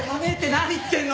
何言ってるの？